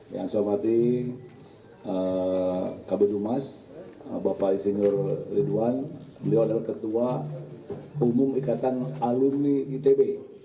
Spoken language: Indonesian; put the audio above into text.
yang saya khawatir kabupaten dumas bapak isinur ridwan beliau adalah ketua umum ikatan alumni itb